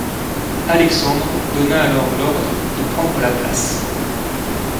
Alexandre donna alors l'ordre de prendre la place.